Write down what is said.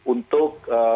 untuk menjaga kekerabatan